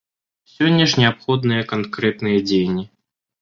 Сёння ж неабходныя канкрэтныя дзеянні.